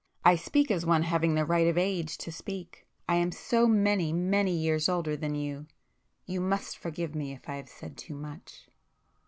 I speak as one having the right of age to speak,—I am so many many years older than you!——you must forgive me if I have said too much!"